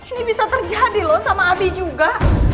ini bisa terjadi loh sama abi juga